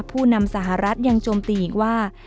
ผู้นำสหรัฐยังโจมตีอีกว่า